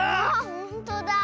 ほんとだ。